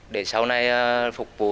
để sau này phục vụ